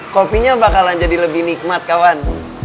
kopinya bakalan jadi lebih nikmat kawan